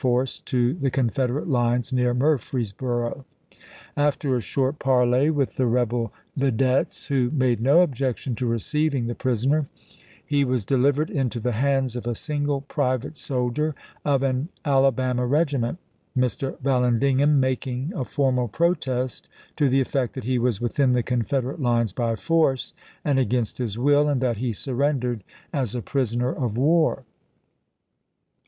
force to the Confederate lines near Murfreesboro. After a short parley with the rebel videttes, who made no objection to receiving the prisoner, he was delivered into the hands of a single private soldier of an Alabama regiment, Mr. Vallandigham making a formal protest to the effect that he was within the Confederate lines by force and against his will, and that he surrendered as a prisoner of war.